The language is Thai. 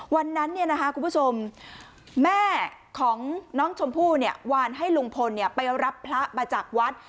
วันนั้นเนี่ยนะคะคุณผู้ชมแม่ของน้องชมพู่เนี่ยวานให้ลุงพลเนี่ยไปรับพระมาจากวัด